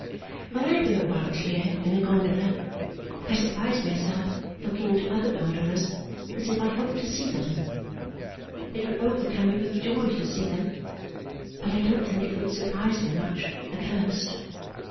When I go about here in a gondola, I surprise myself looking into other gondolas as if I hoped to see them. It would overcome me with joy to see them, but I don't think it would surprise me much, at first.